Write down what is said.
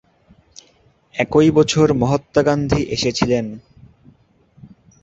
একই বছর মহাত্মা গান্ধী এসেছিলেন।